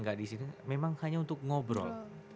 gak diisi memang hanya untuk ngobrol